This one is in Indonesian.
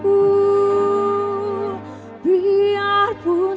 kau ku banggakan